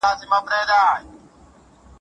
هغه سړی چې خبرونه لولي ډېر ښه غږ لري.